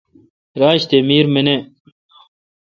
راج تی میر منے۔